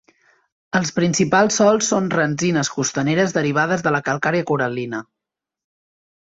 Els principals sòls són rendzines costaneres derivades de la calcària coral·lina.